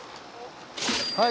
はい。